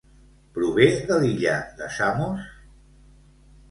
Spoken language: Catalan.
Prové de l'illa de Samos?